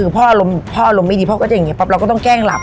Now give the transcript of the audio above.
คือพ่ออารมณ์ไม่ดีพ่อก็จะอย่างนี้ปั๊บเราก็ต้องแกล้งหลับ